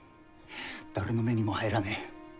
誰の目にも入らねえ。